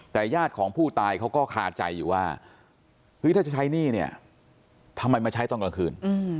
แต่ญาติของผู้ตายเขาก็คาใจอยู่ว่าเฮ้ยถ้าจะใช้หนี้เนี่ยทำไมมาใช้ตอนกลางคืน